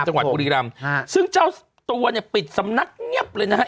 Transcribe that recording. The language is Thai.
จังหวัดบุรีรำซึ่งเจ้าตัวเนี่ยปิดสำนักเงียบเลยนะฮะ